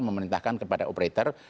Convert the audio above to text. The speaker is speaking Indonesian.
memerintahkan kepada operator